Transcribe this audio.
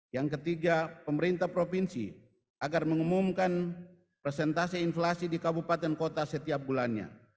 yang ketiga pemerintah provinsi agar mengumumkan presentase inflasi di kabupaten kota setiap bulannya